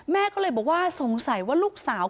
แม่ก็เลยบอกว่าสงสัยว่าลูกสาว